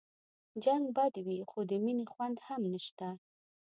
جنګ به بد وي خو د مينې خوند هم نشته